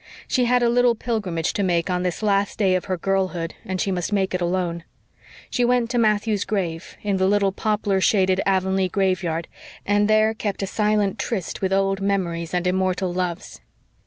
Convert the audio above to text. She had a little pilgrimage to make on this last day of her girlhood and she must make it alone. She went to Matthew's grave, in the little poplar shaded Avonlea graveyard, and there kept a silent tryst with old memories and immortal loves.